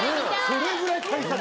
それぐらい大作。